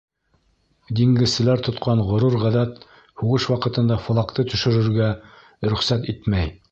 Диңгеҙселәр тотҡан ғорур ғәҙәт һуғыш ваҡытында флагты төшөрөргә рөхсәт итмәй.